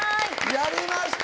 やりました！